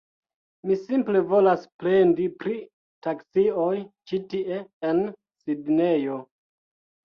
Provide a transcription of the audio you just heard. Mi simple volas plendi pri taksioj ĉi tie en Sidnejo.